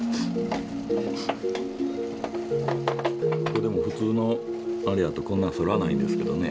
これも普通のあれやとこんな反らないんですけどね